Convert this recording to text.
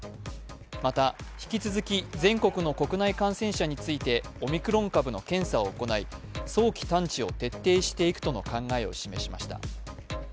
また、引き続き全国の国内感染者についてオミクロン株の検査を行い早期探知を徹底していくとの考えを示しました。